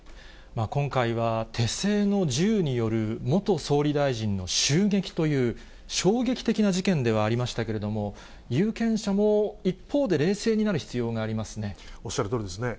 今回は、手製の銃による元総理大臣の襲撃という、衝撃的な事件ではありましたけれども、有権者も一方で冷静になるおっしゃるとおりですね。